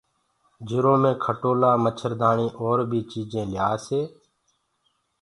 جِرو مي کٽولآ مڇردآڻيٚ اور بيٚ چيٚجينٚ ليآسيٚ